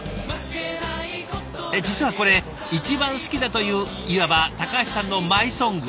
実はこれ一番好きだといういわば橋さんのマイソング。